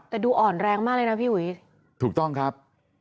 แต่ดูอ่อนแรงมากเลยนะพี่อุ๋ยถูกต้องครับ